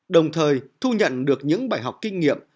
đồng thời thu nhận được những bài học kinh nghiệm